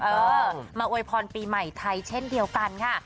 เออมาอวยพรปีใหม่ไทยเช่นเดียวกันค่ะ